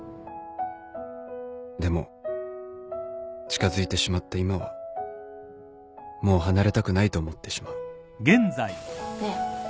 でも近づいてしまった今はもう離れたくないと思ってしまうねえ